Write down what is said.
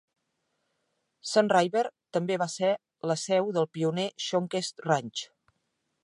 Sunriver també va ser la seu del pioner Shonquest Ranch.